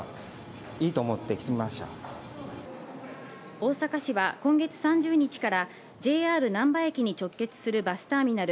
大阪市は今月３０日からＪＲ難波駅に直結するバスターミナル